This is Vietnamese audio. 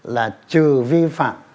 là trừ vi phạm